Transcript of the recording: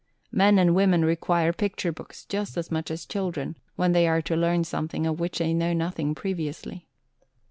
Men and women require picture books, just as much as children, when they are to learn something of which they know nothing previously."